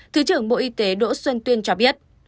thứ trưởng bộ y tế đỗ xuân tuyên cho biết